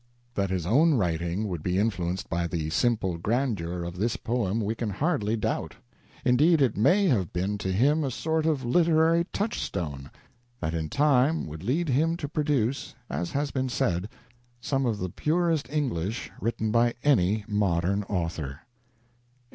That his own writing would be influenced by the simple grandeur of this poem we can hardly doubt. Indeed, it may have been to him a sort of literary touchstone, that in time would lead him to produce, as has been said, some of the purest English written by any modern author.